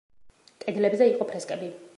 კედლებზე იყო ფრესკები.